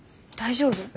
大丈夫？